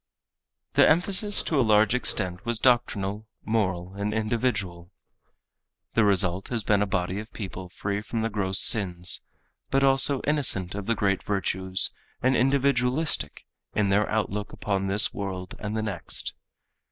The emphasis to a large extent was doctrinal, moral and individual. The result has been a body of people free from the gross sins, but also innocent of the great virtues and individualistic in their outlook upon this world and the next.